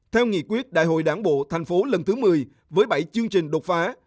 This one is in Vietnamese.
theo nghị quyết đại hội đảng bộ thành phố lần thứ một mươi với bảy chương trình đột phá